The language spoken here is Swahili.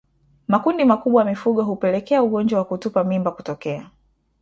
Makundi makubwa ya mifugo hupelekea ugonjwa wa kutupa mimba kutokea